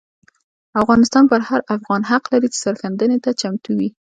افغانستان پر هر افغان حق لري چې سرښندنې ته چمتو وي.